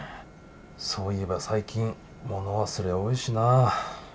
そういえば最近物忘れ多いしな。